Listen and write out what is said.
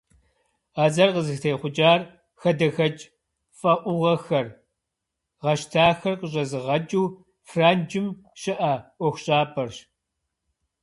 А цӏэр къызытехъукӏар хадэхэкӏ фӏэӏугъэхэр, гъэщтахэр къыщӏэзыгъэкӏыу Франджым щыӏэ ӏуэхущӏапӏэрщ.